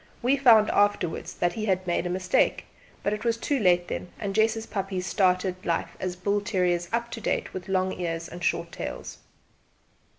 We found out after¬wards that he had made a mistake; but it was too late then, and Jess's puppies started life as bull terriers up to date, with long ears and short tails.